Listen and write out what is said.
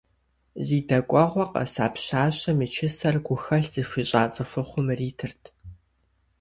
Зи дэкӀуэгъуэ къэса пщащэм и чысэр гухэлъ зыхуищӀа цӀыхухъум иритырт.